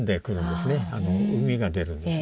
うみが出るんですね。